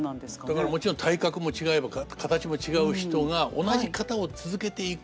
だからもちろん体格も違えば形も違う人が同じ型を続けていく。